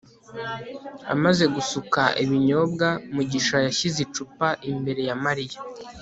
amaze gusuka ibinyobwa, mugisha yashyize icupa imbere ya mariya